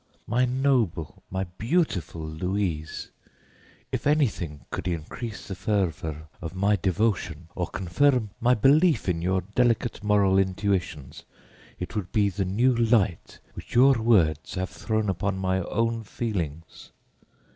My noble, my beautiful Louise, if anything could increase the fervor of my devotion or confirm my belief in your delicate moral intuitions, it would be the new light which your words have thrown upon my own feelings.